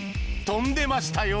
跳んでましたよ